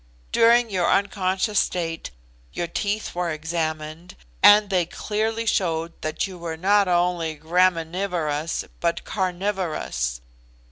During your unconscious state your teeth were examined, and they clearly showed that you were not only graminivorous but carnivorous.